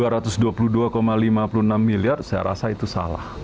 rp dua ratus dua puluh dua lima puluh enam miliar saya rasa itu salah